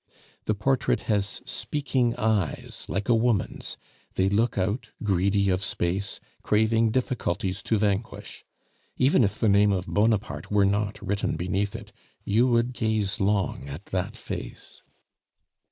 The portrait has speaking eyes like a woman's; they look out, greedy of space, craving difficulties to vanquish. Even if the name of Bonaparte were not written beneath it, you would gaze long at that face.